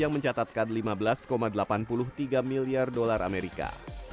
yang mencatatkan lima belas delapan puluh tiga miliar dolar amerika